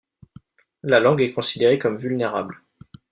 La langue est considérée comme vulnérable.